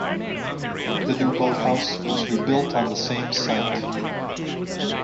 The new boathouse was rebuilt on the same site.